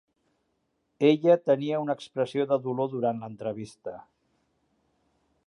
Ella tenia una expressió de dolor durant l'entrevista.